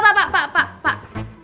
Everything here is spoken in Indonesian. pak pak pak pak pak